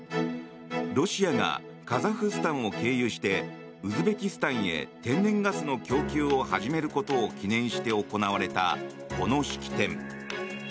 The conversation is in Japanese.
ロシアがカザフスタンを経由してウズベキスタンへ天然ガスの供給を始めることを記念して行われた、この式典。